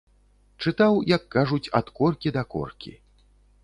Чытаў, як кажуць, ад коркі да коркі.